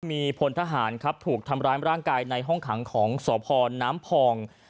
มีพลทหารครับถูกทำร้ายร่างกายในห้องขังของสพน้ำพอง